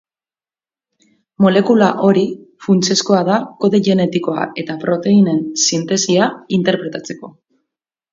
Molekula hori funtsezkoa da kode genetikoa eta proteinen sintesia interpretatzeko.